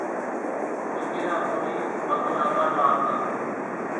اڳيَ نا ڪورِي پنڌ نا ڏاڍا هتا۔